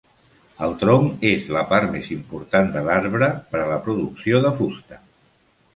El tronc és la part més important de l'arbre per a la producció de fusta.